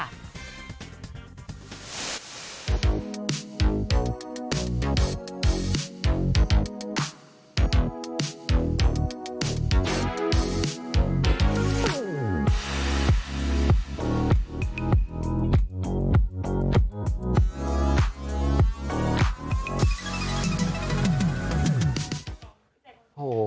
โอ้โห